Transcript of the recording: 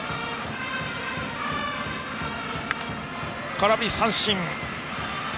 空振り三振。